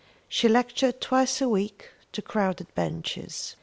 She lectured twice a week to crowded benches.